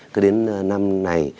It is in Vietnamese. cứ đến năm này